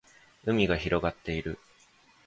海が広がっている